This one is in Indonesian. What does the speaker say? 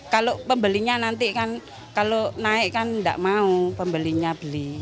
kalau pembelinya nanti kan kalau naik kan tidak mau pembelinya beli